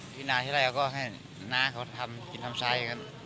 ที่นาที่ไรก็ให้นาทำกินทำชาย